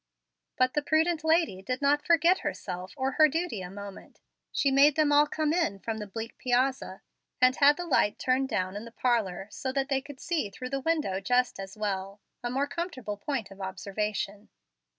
But the prudent lady did not forget herself or her duty a moment. She made them all come in from the bleak piazza, and had the light turned down in the parlor, so that they could see through the window just as well, a more comfortable point of observation.